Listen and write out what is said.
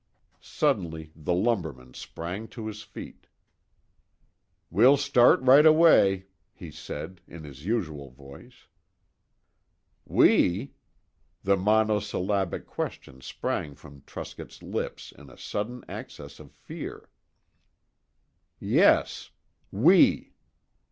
Suddenly the lumberman sprang to his feet "We'll start right away," he said, in his usual voice. "We?" The monosyllabic question sprang from Truscott's lips in a sudden access of fear. "Yes. We.